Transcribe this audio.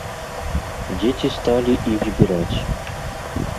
Дзеці сталі іх збіраць.